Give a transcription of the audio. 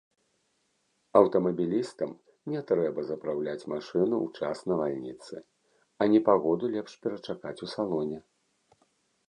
Аўтамабілістам не трэба запраўляць машыну ў час навальніцы, а непагоду лепш перачакаць у салоне.